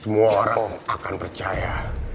semua orang akan percaya